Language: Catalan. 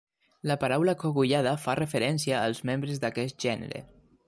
La paraula cogullada fa referència als membres d'aquest gènere.